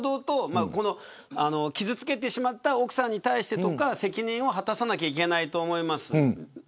傷つけてしまった奥さんに対しては責任を果たさなければいけないと思います。